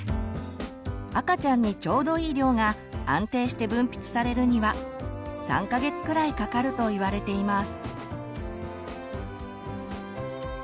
赤ちゃんにちょうどいい量が安定して分泌されるには３か月くらいかかるといわれています。